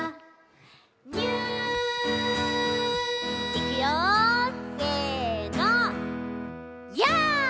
いくよせの。